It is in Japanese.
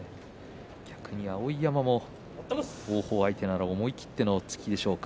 逆に碧山も王鵬相手ならば思い切っての突きでしょうか。